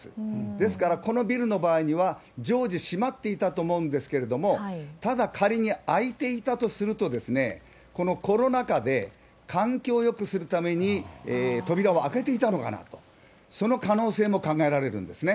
ですから、このビルの場合には、常時閉まっていたと思うんですけれども、ただ、仮に開いていたとすると、このコロナ禍で、換気をよくするために扉を開けていたのかなと、その可能性も考えなるほど。